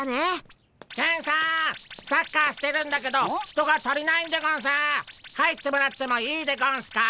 サッカーしてるんだけど人が足りないんでゴンス！入ってもらってもいいでゴンスか？